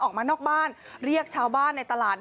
ออกมานอกบ้านเรียกชาวบ้านในตลาด